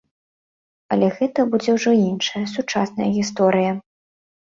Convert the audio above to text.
Але гэта будзе ўжо іншая, сучасная гісторыя.